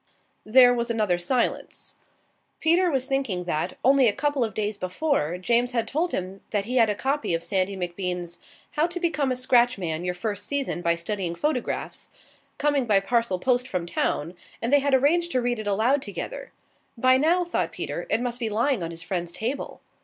There was another silence. Peter was thinking that, only a couple of days before, James had told him that he had a copy of Sandy MacBean's "How to Become a Scratch Man Your First Season by Studying Photographs" coming by parcel post from town, and they had arranged to read it aloud together. By now, thought Peter, it must be lying on his friend's table.